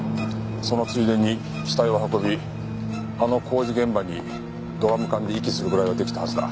そのついでに死体を運びあの工事現場にドラム缶で遺棄するぐらいは出来たはずだ。